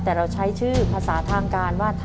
แต่เราใช้ชื่อภาษาทางการว่า